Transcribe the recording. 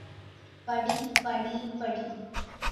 படி, படி, படி.